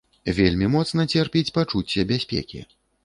Вельмі моцна церпіць пачуцце бяспекі.